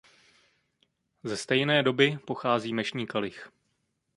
Ze stejné doby pochází mešní kalich.